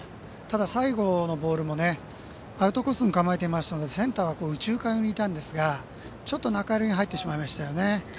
ただ、最後のボールもアウトコースに構えていましたのでセンターは右中間寄りにちょっと中寄りに入ってしまいましたね。